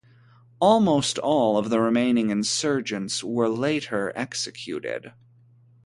Almost all of the remaining insurgents were later executed.